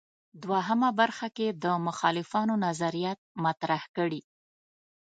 دوهمه برخه کې د مخالفانو نظریات مطرح کړي.